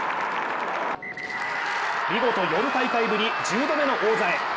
見事、４大会ぶり１０度目の王座へ。